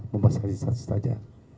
membasahkan sesuatu saja